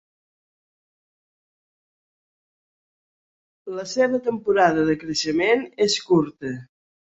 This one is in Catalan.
La seva temporada de creixement és curta.